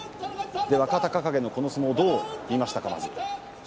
若隆景の相撲どう見ましたか？